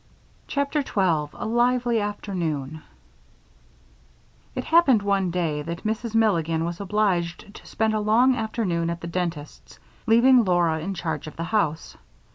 CHAPTER 12 A Lively Afternoon It happened one day that Mrs. Milligan was obliged to spend a long afternoon at the dentist's, leaving Laura in charge of the house.